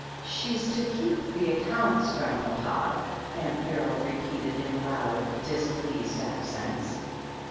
"She's to keep the accounts, Grandpapa," ^unt Beryl repeated in loud, displeased accents.